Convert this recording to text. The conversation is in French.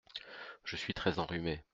Je suis très enrhumée.